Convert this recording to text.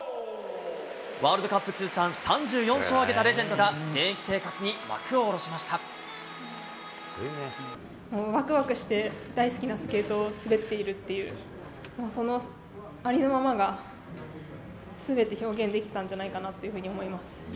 ワールドカップ通算３４勝を挙げたレジェンドが、現役生活に幕をわくわくして、大好きなスケートを滑っているっていう、そのありのままがすべて表現できたんじゃないかなっていうふうに思います。